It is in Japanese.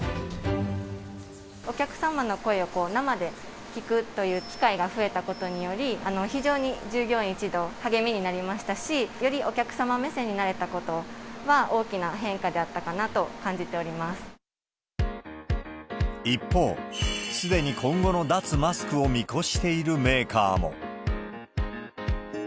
お客様の声を生で聞くという機会が増えたことにより、非常に従業員一同励みになりましたし、よりお客様目線になれたことは、大きな変化であったかなと感じて一方、すでに今後の脱マスクを見越しているメーカーも。